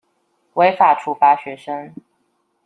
違法處罰學生